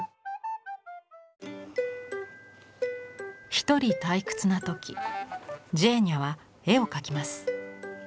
一人退屈な時ジェーニャは絵を描きます。